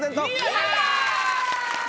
やった！